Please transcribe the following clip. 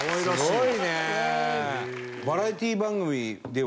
すごいね。